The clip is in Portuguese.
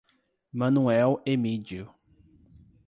Manoel Emídio